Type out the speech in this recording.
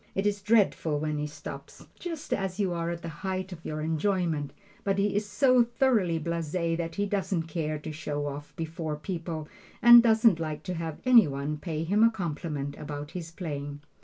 It is dreadful when he stops, just as you are at the height of your enjoyment, but he is so thoroughly blase that he doesn't care to show off before people and doesn't like to have any one pay him a compliment about his playing.